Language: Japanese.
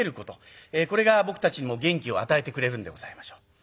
これが僕たちにも元気を与えてくれるんでございましょう。